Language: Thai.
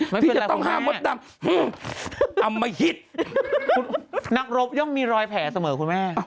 พี่จะต้องห้ามมดตำอ้าวไม่ฮิตคุณแม่นักรบย่องมีรอยแผลเสมอคุณแม่